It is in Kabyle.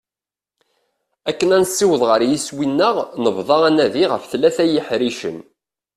Akken ad nessaweḍ ɣer yiswi-nneɣ nebḍa anadi ɣef tlata yeḥricen.